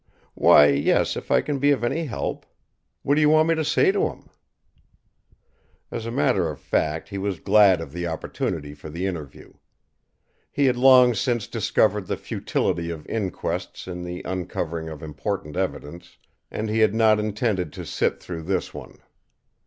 "Why, yes, if I can be of any help. What do you want me to say to him?" As a matter of fact, he was glad of the opportunity for the interview. He had long since discovered the futility of inquests in the uncovering of important evidence, and he had not intended to sit through this one.